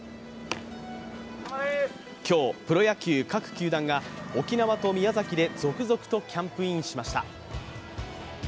今日、プロ野球各球団が沖縄と宮崎で続々とキャンプインしました。